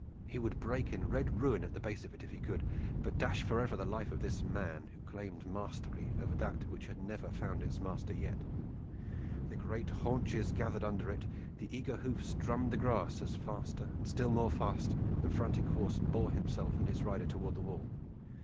He would break in red ruin at the base of it if he could but dash forever the life of this man, who claimed mastery over that which had never found its master yet. The great haunches gathered under it, the eager hoofs drummed the grass, as faster and still more fast the frantic horse bore himself and his rider toward the wall.